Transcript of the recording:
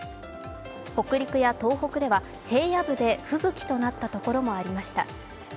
北陸や東北では平野部で吹雪となったところもありました。